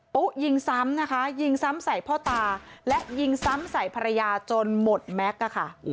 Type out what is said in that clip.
ปุ๊ยิงซ้ำนะคะยิงซ้ำใส่พ่อตาและยิงซ้ำใส่ภรรยาจนหมดแม็กซ์ค่ะ